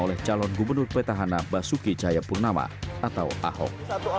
oleh calon gubernur petahana basuki cahayapurnama atau ahok